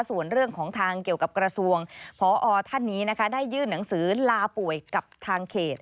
ส่วนเรื่องของทางเกี่ยวกับข